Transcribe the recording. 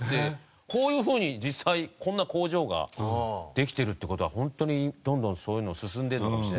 こういうふうに実際こんな工場ができてるって事はホントにどんどんそういうの進んでるのかもしれないですね。